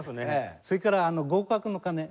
それから合格の鐘。